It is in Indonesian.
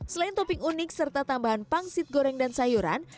selain topping unik serta tambahan pangsit goreng dan sayuran